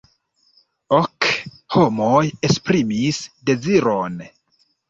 Ok homoj esprimis deziron.